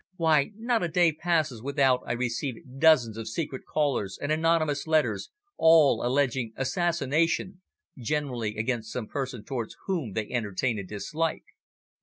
Why, not a day passes without I receive dozens of secret callers and anonymous letters all alleging assassination generally against some person towards whom they entertain a dislike.